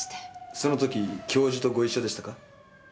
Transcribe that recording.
その時教授とご一緒でしたか？